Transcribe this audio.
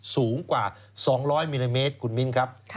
สูงกว่า๒๐๐มิลลิเมตรคุณมิ้นครับ